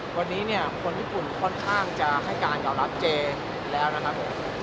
วันนี้เนี่ยคนญี่ปุ่นค่อนข้างจะให้การกับรัฐเจแล้วนะครับผม